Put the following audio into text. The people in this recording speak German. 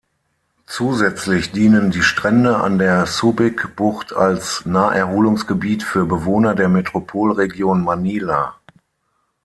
Zusätzlich dienen die Strände an der Subic-Bucht als Naherholungsgebiet für Bewohner der Metropolregion Manila.